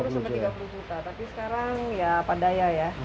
dua puluh sampai tiga puluh juta tapi sekarang ya padaya ya